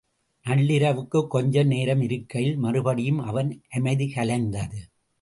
நள்ளிரவுக்குக் கொஞ்சம் நேரம் இருக்கையில் மறுபடியும் அவன் அமைதி கலைந்தது.